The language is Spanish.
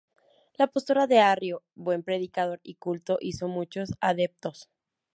La postura de Arrio, buen predicador y culto, hizo muchos adeptos.